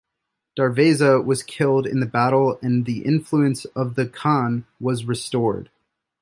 Darveza was killed in the battle and the influence of the Khan was restored.